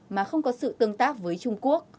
mà không có sự tương tác với trung quốc